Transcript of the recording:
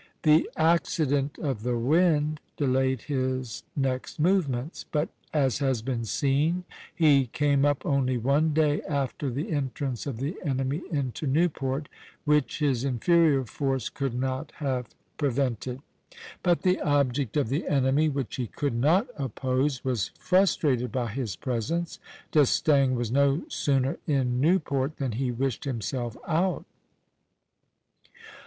The accident of the wind delayed his next movements; but, as has been seen, he came up only one day after the entrance of the enemy into Newport, which his inferior force could not have prevented. But the object of the enemy, which he could not oppose, was frustrated by his presence. D'Estaing was no sooner in Newport than he wished himself out.